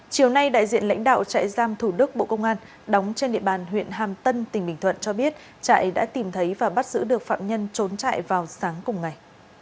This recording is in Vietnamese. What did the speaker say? chiều nay đại diện lãnh đạo trại giam thủ đức bộ công an đóng trên địa bàn huyện hàm tân tỉnh bình thuận cho biết trại đã tìm thấy và bắt giữ được phạm nhân trốn trại vào sáng cùng ngày